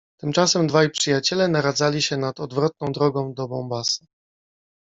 Tymczasem dwaj przyjaciele naradzali się nad odwrotną drogą do Mombassa.